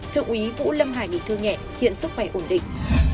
thượng úy vũ lâm hải bị thương nhẹ hiện sức khỏe ổn định